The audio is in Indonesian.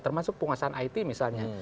termasuk penguasaan it misalnya